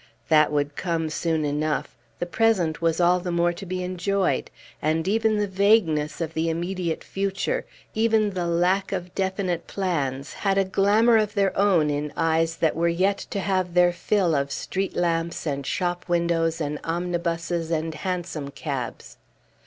That would come soon enough; the present was all the more to be enjoyed; and even the vagueness of the immediate future, even the lack of definite plans, had a glamor of their own in eyes that were yet to have their fill of street lamps and shop windows and omnibuses and hansom cabs.